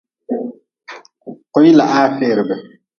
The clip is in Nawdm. Koilahaa ferbe.